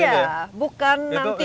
iya bukan nanti